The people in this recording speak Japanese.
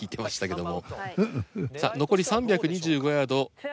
さあ残り３２５ヤード。